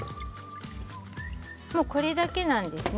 これだけなんですね。